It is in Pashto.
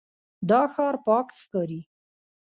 دا ښار پاک ښکاري.